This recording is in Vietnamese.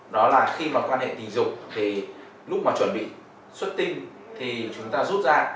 đó là khi mà quan hệ tình dục thì lúc mà chuẩn bị xuất tinh thì chúng ta rút ra